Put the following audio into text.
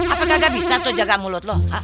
apa kagak bisa tuh jaga mulut lu